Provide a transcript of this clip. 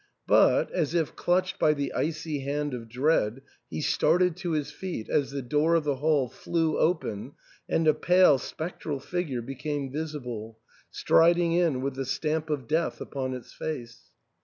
" But, as if clutched by the icy hand of Dread, he started to his feet as the door of the hall flew open and a pale spec tral figure became visible, striding in with the stamp of death upon its face.